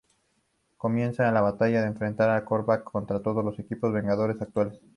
Comienza una batalla que enfrenta a Korvac contra todos los equipos vengadores actuales.